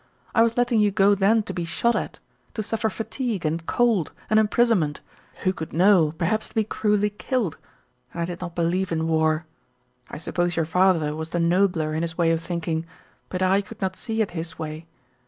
I was letting you go then to be shot at to suffer fatigue, and cold, and imprisonment, who could know, perhaps to be cruelly killed and I did not believe in war. I suppose your father was the nobler in his way of thinking, but I could not see it his way.